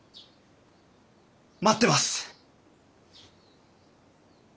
待ってます！